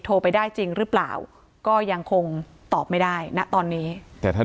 โทรไปได้จริงหรือเปล่าก็ยังคงตอบไม่ได้ณตอนนี้แต่ท่าน